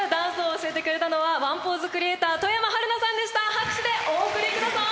拍手でお送りください！